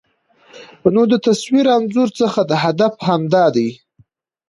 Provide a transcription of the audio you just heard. نو د تصوير انځور څخه هدف همدا دى